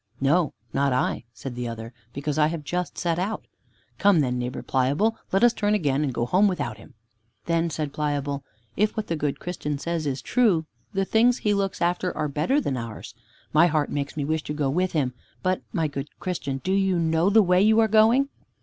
"No, not I," said the other, "because I have just set out." "Come then, Neighbor Pliable, let us turn again and go home without him." Then said Pliable, "If what the good Christian says is true, the things he looks after are better than ours. My heart makes me wish to go with him. But, my good Christian, do you know the way you are going?"